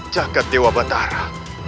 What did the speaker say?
jagad dewa batara